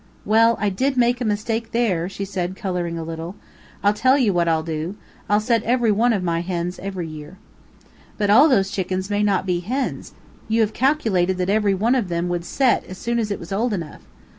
"Well, I DID make a mistake there," she said, coloring a little. "I'll tell you what I'll do; I'll set every one of my hens every year." "But all those chickens may not be hens. You have calculated that every one of them would set as soon as it was old enough."